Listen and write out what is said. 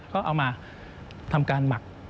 ก็เอามาทำการหมัก